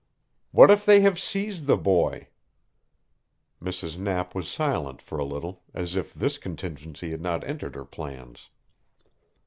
"What if they have seized the boy?" Mrs. Knapp was silent for a little, as if this contingency had not entered her plans.